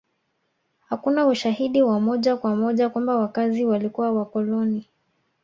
Hakuna ushahidi wa moja kwa moja kwamba wakazi walikuwa wakoloni